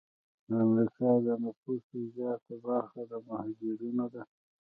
د امریکا د نفوسو زیاته برخه د مهاجرینو ده.